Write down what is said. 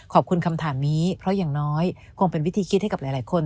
ขอบคุณคำถามนี้เพราะอย่างน้อยคงเป็นวิธีคิดให้กับหลายคน